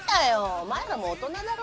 お前らもう大人だろ。